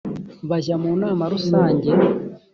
bajya mu nama rusange